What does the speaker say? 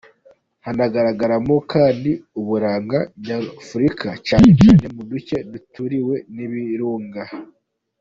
Hanagaragaramo kandi uburanga nyafurika cyane cyane mu duce duturiwe n’ibirunga.